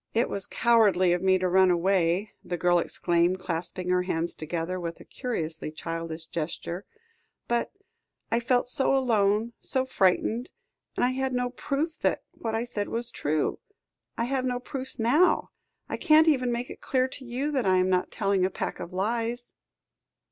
"It was cowardly of me to run away," the girl exclaimed, clasping her hands together with a curiously childish gesture; "but I felt so alone so frightened and I had no proof that what I said was true. I have no proofs now. I can't even make it clear to you, that I am not telling a pack of lies."